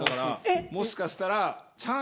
もしかしたら。